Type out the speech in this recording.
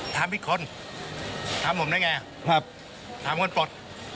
ถามอีกคนถามผมได้ไงถามคนปลด